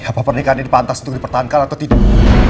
apakah pernikahan ini pantas untuk dipertahankan atau tidak